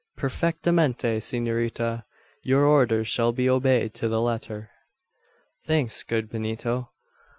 "Perfectamente, s'norita. Your orders shall be obeyed to the letter." "Thanks, good Benito.